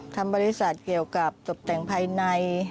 ทำบริษัทเกี่ยวกับตกแต่งภายใน